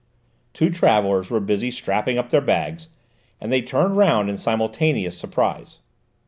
Two travellers were busy strapping up their bags, and they turned round in simultaneous surprise.